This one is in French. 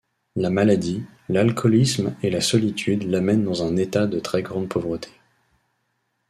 La maladie, l'alcoolisme et la solitude l'amène dans un état de très grande pauvreté.